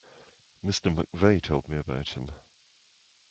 Mr McVeigh told me about him.